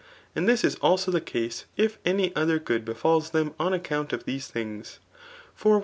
And tlus is also the case if any other good be&k them, on account of these things. For we.